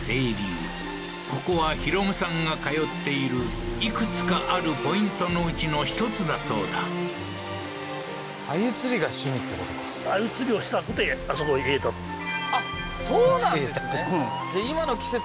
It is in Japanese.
ここは弘さんが通っているいくつかあるポイントのうちの１つだそうだあっそうなんですね